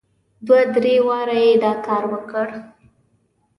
دوه درې واره یې دا کار وکړ.